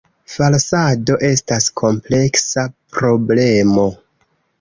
Falsado estas kompleksa problemo.